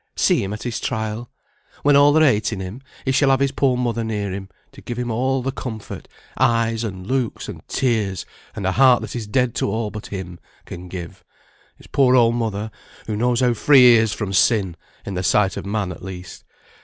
see him at his trial? When all are hating him, he shall have his poor mother near him, to give him all the comfort, eyes, and looks, and tears, and a heart that is dead to all but him, can give; his poor old mother, who knows how free he is from sin in the sight of man at least.